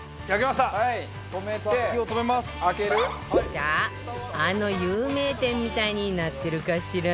さああの有名店みたいになってるかしら？